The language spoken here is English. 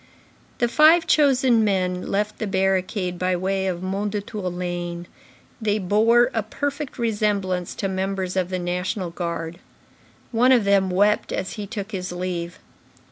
The five chosen men left the barricade by way of Mondétour lane; they bore a perfect resemblance to members of the National Guard. One of them wept as he took his leave.